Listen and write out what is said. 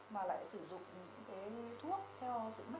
mà lại sử dụng những cái thuốc theo sự mắc bạc